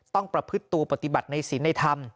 ประพฤติตัวปฏิบัติในศีลในธรรม